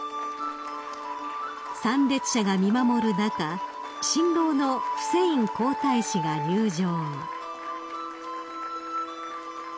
［参列者が見守る中新郎のフセイン皇太子が入場］